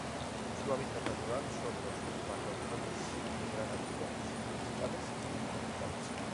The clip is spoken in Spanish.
Su hábitat natural son los matorrales de gran altura subtropicales y tropicales.